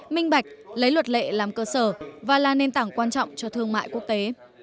minh bạch lấy luật lệ làm cơ sở và là nền tảng quan trọng cho thương mại quốc tế